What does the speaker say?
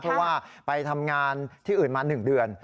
เพราะว่าไปทำงานที่อื่นมา๑เดือน